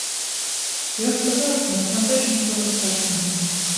Ён сказаў, што насамрэч нічога страшнага няма.